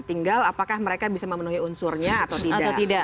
tinggal apakah mereka bisa memenuhi unsurnya atau tidak